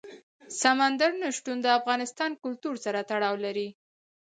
سمندر نه شتون د افغان کلتور سره تړاو لري.